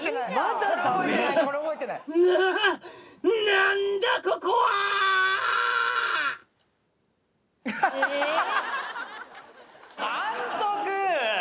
「何だここは！？」監督！